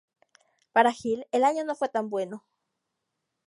Para Hill el año no fue tan bueno.